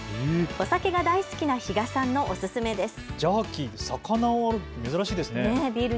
お酒が大好きな比嘉さんのおすすめです。